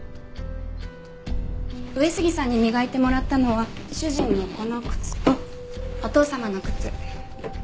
上杉さんに磨いてもらったのは主人のこの靴とお義父様の靴。